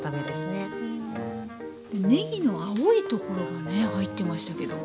ねぎの青いところがね入ってましたけど。